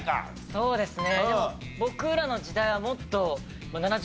そうですね。